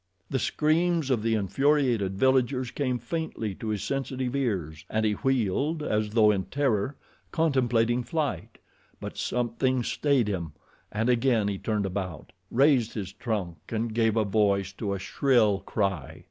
The screams of the infuriated villagers came faintly to his sensitive ears, and he wheeled, as though in terror, contemplating flight; but something stayed him, and again he turned about, raised his trunk, and gave voice to a shrill cry.